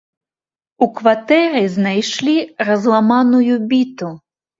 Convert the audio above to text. У кватэры знайшлі разламаную біту.